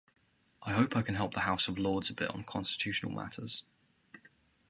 I hope I can help the House of Lords a bit on constitutional matters.